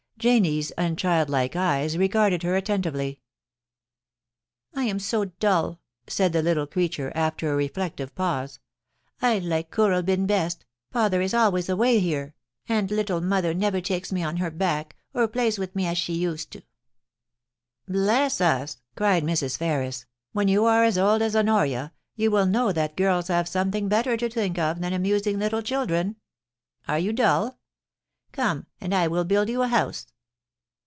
Janie's unchildlike eyes regarded her attentively. * I am so dull,' said the little creature, after a reflective pause. * I like Kooralbyn best — father is always away here, 244 POLICY AND PASSION. and little mother never takes me on her back, or plays with me as she used.' * Bless us !* cried Mrs. Ferris ;* when you are as old as Honoria, you will know that girls have something better to think of than amusing little children. Are you dull ? Come, and I will build you a house.'